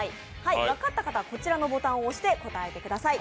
分かった方は、こちらのボタンを押して答えてください。